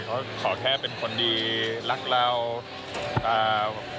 เขาขอแค่เป็นคนดีรักเราอ่า